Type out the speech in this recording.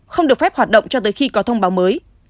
không được phép hoạt động cho tới khi có thông báo mới